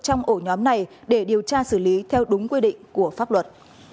trong ổ nhóm này để điều tra xử lý theo đúng quy định của pháp luật